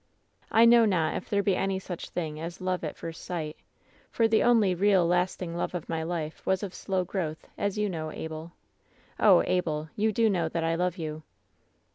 "I know not if there be any such thing as love at first sight ; for the only real, lasting love of my life was of slow growth, as you know, Abel. Oh, Abel! you do know that I love you